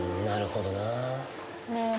なるほどな。